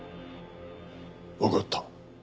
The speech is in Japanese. わかった。